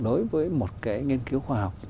đối với một cái nghiên cứu khoa học